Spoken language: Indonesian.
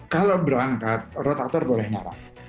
kalau berangkat rotator boleh nyalak